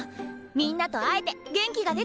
みんなと会えて元気が出たよ。